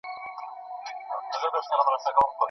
تر ټیکري لاندې یې پر خپلو لګېدلو سپینو ویښتو لاس تېر کړ.